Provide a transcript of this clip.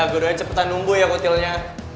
ya gue doang cepetan nunggu ya kutilnya